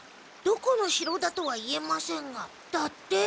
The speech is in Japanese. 「どこの城だとは言えませんが」だって！